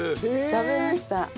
食べました。